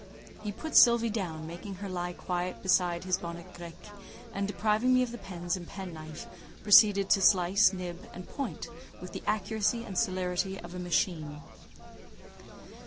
He put Sylvie down, making her lie quiet beside his bonnet grec, and, depriving me of the pens and penknife, proceeded to slice, nib, and point with the accuracy and celerity of a machine.